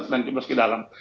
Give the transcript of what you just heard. dan jemput ke dalam